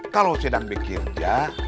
kalau sedang bekerja